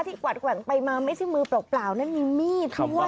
กวัดแกว่งไปมาไม่ใช่มือเปล่านั้นมีมีดด้วย